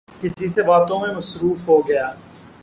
کسی سے باتوں میں مصروف ہوگیا